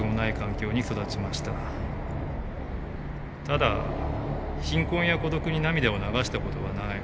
ただ貧困や孤独に涙を流したことはない。